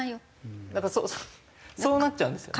そうなっちゃうんですよね。